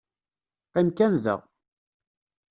Qim kan da!